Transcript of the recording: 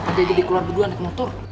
apalagi jadi keluar kedua andai ke motor